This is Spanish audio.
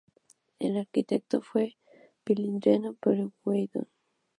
El arquitecto fue Prilidiano Pueyrredón.